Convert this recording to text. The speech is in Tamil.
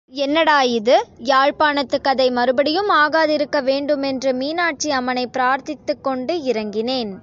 என்னடா இது, யாழ்ப்பாணத்துக் கதை மறுபடியும் ஆகாதிருக்க வேண்டுமே யென்று, மீனாட்சி அம்மனைப் பிரார்த்தித்துக்கொண்டு இறங்கினேன்.